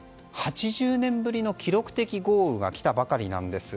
８０年ぶりの記録的な豪雨が来たばかりなんです。